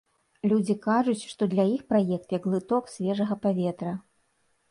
Людзі кажуць, што для іх праект як глыток свежага паветра.